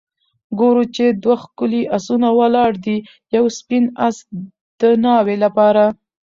ګورو چې دوه ښکلي آسونه ولاړ دي ، یو سپین آس د ناوې لپاره